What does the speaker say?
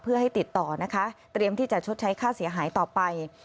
เพื่อให้ติดต่อนะคะเตรียมที่จะชดใช้ค่าเสียหายต่อไป